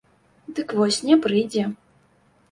Дык вось не прыйдзе.